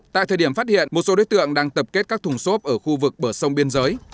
tại thời điểm phát hiện một số đối tượng đang tập kết các thùng xốp ở khu vực bờ sông biên giới